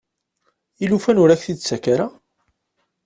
I lufan ur ak-t-id-tettakk ara.